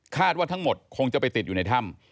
ว่าทั้งหมดคงจะไปติดอยู่ในถ้ำ